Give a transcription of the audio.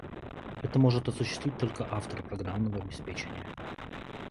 Это может осуществить только автор программного обеспечения